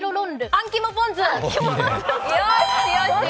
あん肝ポン酢。